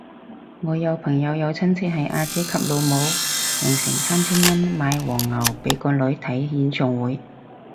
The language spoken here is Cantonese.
我朋友有親戚係阿姐級老母，用成三千蚊買黃牛俾個女睇演唱會